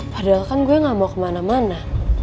padahal kan gue gak mau kemana mana